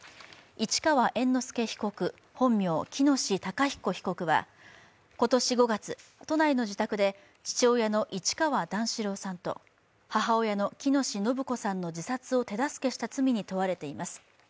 市川猿之助被告、本名喜熨斗孝彦被告は今年５月、都内の自宅で、父親の市川段四郎さんと母親の喜熨斗延子さんの自殺を手助けした罪に問われています。